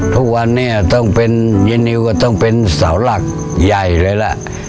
ทุกวันนี้ต้องเป็นเยนิวก็ต้องเป็นเสาหลักใหญ่เลยล่ะ